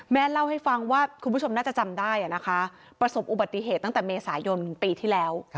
เล่าให้ฟังว่าคุณผู้ชมน่าจะจำได้นะคะประสบอุบัติเหตุตั้งแต่เมษายนปีที่แล้ว